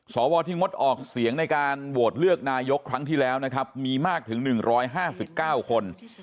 สวที่งดออกเสียงในการโหวตเลือกนายกครั้งที่แล้วนะครับมีมากถึง๑๕๙คน